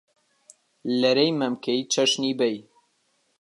لەرەی مەمکەی چەشنی بەی